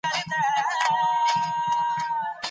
هغې ښار ته د مور په څېر ګوري.